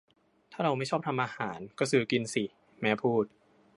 ถ้าเราไม่ชอบทำอาหาร ก็ซื้อกินสิ แม่พูด